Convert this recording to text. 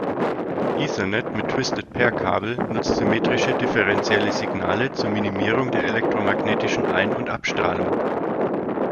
Ethernet mit Twisted-Pair-Kabel nutzt symmetrische differenzielle Signale zur Minimierung der elektromagnetischen Ein- und Abstrahlung.